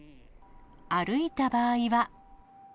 歩いた場合は。